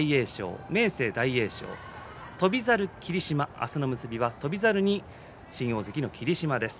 明日の結びは翔猿と新大関の霧島です。